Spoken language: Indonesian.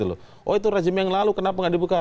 oh itu rezim yang lalu kenapa nggak dibuka